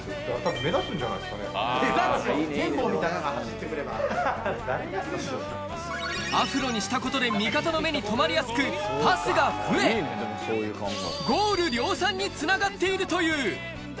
目立つでしょ、アフロにしたことで味方の目に留まりやすく、パスが増え、ゴール量産につながっているという。